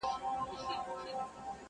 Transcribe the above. o بې کسه بدي نه سي پاللاى!